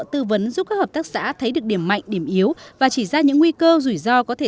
tư vấn giúp các hợp tác xã thấy được điểm mạnh điểm yếu và chỉ ra những nguy cơ rủi ro có thể